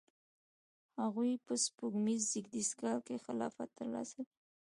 هغوی په سپوږمیز زیږدیز کال کې خلافت ترلاسه کړ.